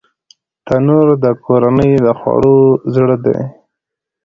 تنور د کورنۍ د خوړو زړه دی